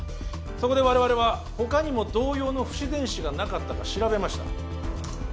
そこで我々は他にも同様の不自然死がなかったか調べました